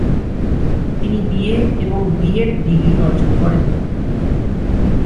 তিনি বিএ এবং BEd degree অর্জন করেন।